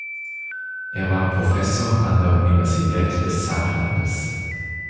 Er war Professor an der Universität des Saarlandes.